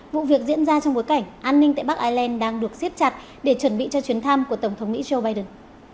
vụ việc diễn ra trong bối cảnh an ninh tại bắc ireland đang được siết chặt để chuẩn bị cho chuyến thăm của tổng thống mỹ joe biden